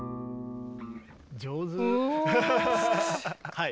はい。